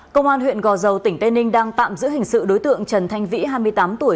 công an huyện gò dầu tỉnh tây ninh đang tạm giữ hình sự đối tượng trần thanh vĩ hai mươi tám tuổi